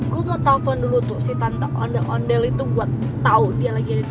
gue mau telepon dulu tuh si tangkap ondel ondel itu buat tau dia lagi ada di